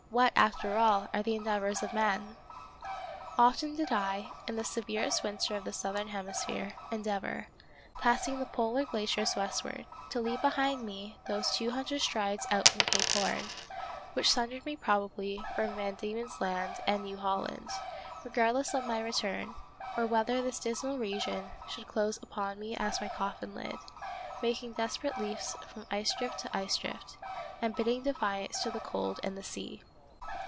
what, after all, are the endeavors of men ! Often did I, in the severest winter of the southern hemisphere, endeavor, passing the polar glaciers westward, to leave behind me those two hundred strides out from Cape Horn, which sundered me probably from Van Die men's Land and New Holland, regardless of my return, or whether this dismal region should close upon me as my coffin lid, making desper ate leaps from ice drift to ice drift, and bidding defiance to the cold and the sea.